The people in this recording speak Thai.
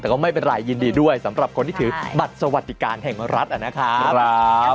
แต่ก็ไม่เป็นไรยินดีด้วยสำหรับคนที่ถือบัตรสวัสดิการแห่งรัฐนะครับ